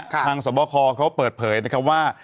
สมบคเขาเปิดเผยนะครับว่า